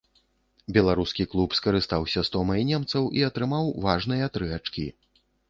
Беларускі клуб скарыстаўся стомай немцаў і атрымаў важныя тры ачкі.